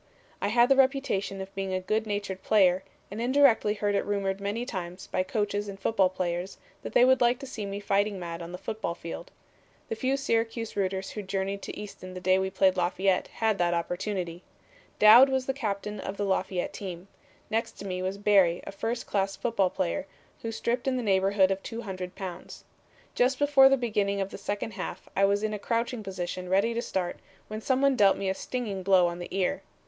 "I had the reputation of being a good natured player, and indirectly heard it rumored many times by coaches and football players that they would like to see me fighting mad on the football field. The few Syracuse rooters who journeyed to Easton the day we played Lafayette had that opportunity. Dowd was the captain of the Lafayette team. Next to me was Barry, a first class football player, who stripped in the neighborhood of 200 pounds. Just before the beginning of the second half I was in a crouching position ready to start, when some one dealt me a stinging blow on the ear.